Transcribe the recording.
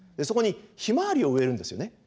そこにヒマワリを植えるんですよね。